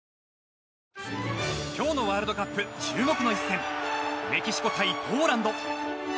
今日のワールドカップ注目の一戦メキシコ対ポーランド。